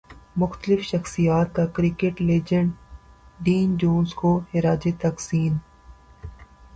مختلف شخصیات کا کرکٹ لیجنڈ ڈین جونز کو خراج تحسین